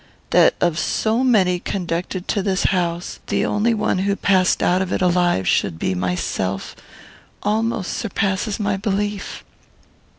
That of so many conducted to this house the only one who passed out of it alive should be myself almost surpasses my belief.